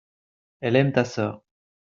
elle aime ta sœur.